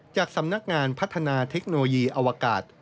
จากสำนักงานพัฒนาเทคโนโลยีอวกาศ